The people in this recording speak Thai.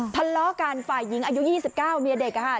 ทะเลาะกันฝ่ายหญิงอายุ๒๙เมียเด็กค่ะ